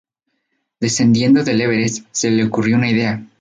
Descendiendo del Everest, se le ocurrió una idea.